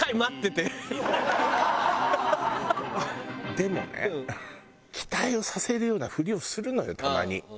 でもね期待をさせるようなふりをするのよたまに。